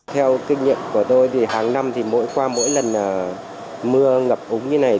theo kinh nghiệm của tôi thì hàng năm thì mỗi qua mỗi lần mưa ngập úng như này